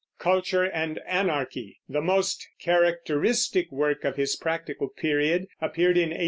Culture and Anarchy, the most characteristic work of his practical period, appeared in 1869.